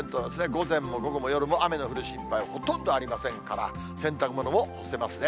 午前も午後も夜も雨の降る心配ほとんどありませんから、洗濯物も干せますね。